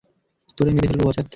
তোরে মেরে ফেলব, বজ্জাত।